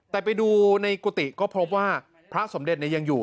แต่ไปดูในกุฏิก็พบว่าพระสมเด็จยังอยู่